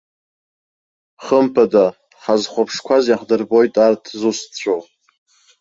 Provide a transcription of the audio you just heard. Хымԥада, ҳазхәаԥшқәаз иахдырбоит арҭ зусҭцәоу.